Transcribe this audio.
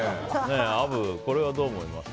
アブ、これはどう思いますか？